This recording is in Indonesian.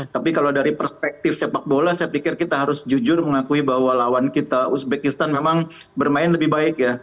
tapi kalau dari perspektif sepak bola saya pikir kita harus jujur mengakui bahwa lawan kita uzbekistan memang bermain lebih baik ya